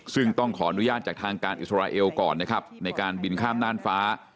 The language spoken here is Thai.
ซึ่งต้องขออนุญาตจากทางการอิสราเอลก่อนนะครับในการบินข้ามน่านฟ้า